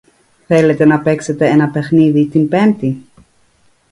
Θέλετε να παίξετε ένα παιχνίδι την Πέμπτη;